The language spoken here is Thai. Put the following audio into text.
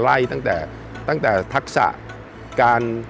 ไล่ตั้งแต่ทักษะ